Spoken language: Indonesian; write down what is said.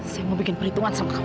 saya mau bikin perhitungan sama kamu